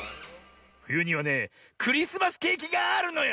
ふゆにはねクリスマスケーキがあるのよ！